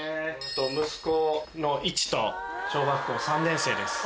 息子の一翔小学校３年生です。